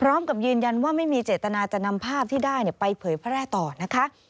พร้อมกับยืนยันว่าไม่มีเจตนาจะนำภาพที่ได้ไปเผยแพร่ต่อนะคะ